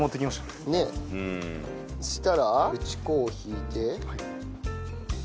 そしたら打ち粉を引いて。